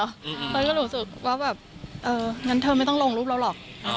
เฮ้ยก็รู้สึกว่าแบบเอองั้นเธอไม่ต้องลงรูปเราหรอก